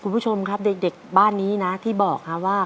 คุณผู้ชมครับเด็กบ้านนี้นะที่บอกครับว่า